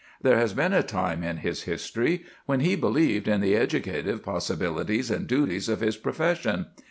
There has been a time in his history when he believed in the educative possibilities and duties of his profession.